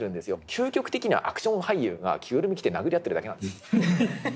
究極的にはアクション俳優が着ぐるみ着て殴り合ってるだけなんです。